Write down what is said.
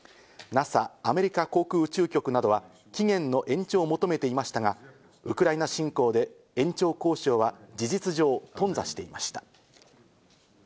ＮＡＳＡ＝アメリカ航空宇宙局などは期限の延長を求めていましたが、ウクライナ侵攻で延長交渉は事実上、頓挫していました。